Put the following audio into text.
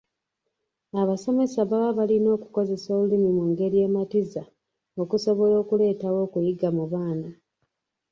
Abasomesa baba balina okukozesa olulimi mu ngeri ematiza okusobola okuleetawo okuyiga mu baana.